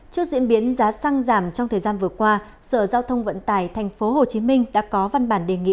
trước diễn biến giá xăng giảm trong thời gian vừa qua sở giao thông vận tải tp hcm đã có văn bản đề nghị